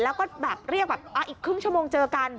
แล้วก็แบบเรียกแบบอีกครึ่งชั่วโมงเจอกัน